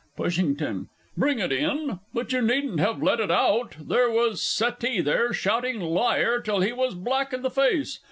PUSHINGTON. Bring it in? but you needn't have let it out. There was Settee there, shouting "liar" till he was black in the face.